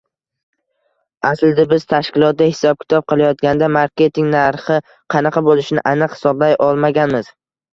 Aslida biz tashkilotda hisob-kitob qilayotganda marketing narxi qanaqa boʻlishini aniq hisoblay olmaganmiz.